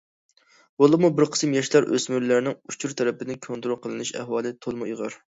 بولۇپمۇ بىر قىسىم ياشلار، ئۆسمۈرلەرنىڭ ئۇچۇر تەرىپىدىن كونترول قىلىنىش ئەھۋالى تولىمۇ ئېغىر.